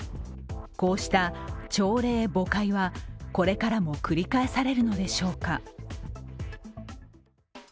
こうした朝令暮改はこれからも繰り返されるのでしょうか。